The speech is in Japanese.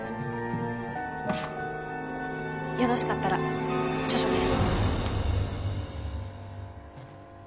よろしかったら著書です